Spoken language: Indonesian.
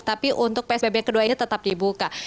tapi untuk psbb yang kedua ini tetap dibuka